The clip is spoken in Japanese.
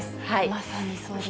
まさにそうですね。